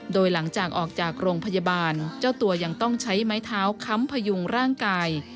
โดยหลังจากออกจากโรงพยาบาลเจ้าตัวยังต้องใช้ไม้เท้าค้ำพยุงร่างกาย